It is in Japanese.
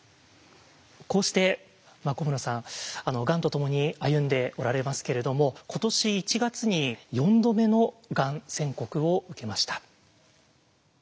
こうして古村さんがんとともに歩んでおられますけれども今年１月に４度目のがん宣告を受けました。